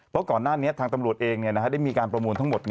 เพราะก่อนหน้านี้ทางตำรวจเองได้มีการประมูลทั้งหมด